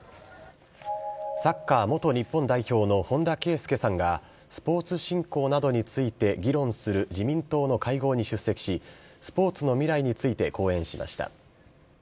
サッカー元日本代表の本田圭佑さんが、スポーツ振興などについて議論する自民党の会合に出席し、スポーツの未来について講演しました。